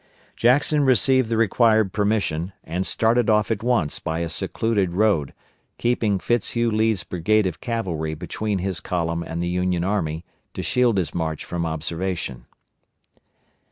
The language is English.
Jackson received the required permission, and started off at once by a secluded road, keeping Fitz Hugh Lee's brigade of cavalry between his column and the Union army to shield his march from observation.